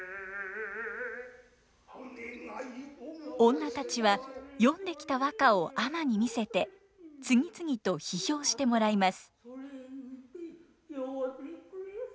女たちは詠んできた和歌を尼に見せて次々と批評してもらいます。